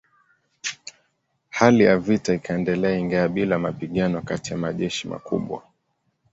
Hali ya vita ikaendelea ingawa bila mapigano kati ya majeshi makubwa.